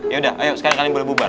yaudah ayo sekarang kalian boleh bubar